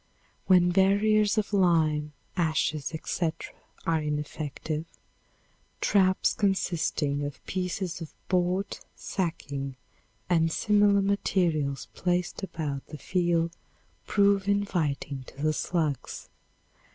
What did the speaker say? When barriers of lime, ashes, etc., are ineffective, traps consisting of pieces of board sacking and similar materials placed about the field prove inviting to the slugs.